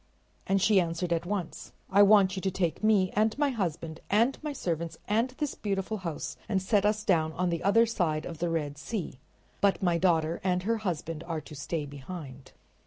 And she answered at once: "I want you to take me and my husband and my servants and this beautiful house and set us down on the other side of the Red Sea, but my daughter and her husband are to stay behind."